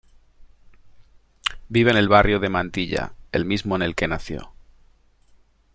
Vive en el barrio de Mantilla, el mismo en el que nació.